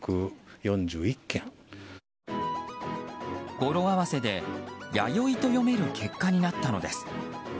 語呂合わせで「やよい」と読める結果になったのです。